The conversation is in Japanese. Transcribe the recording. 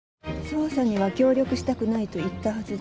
捜査には協力したくないと言ったはずです。